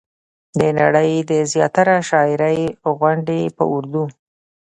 د نړۍ د زياتره شاعرۍ غوندې په اردو